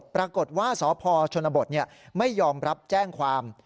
ปรากฏว่าสพชนบทไม่ยอมรับแจ้งความ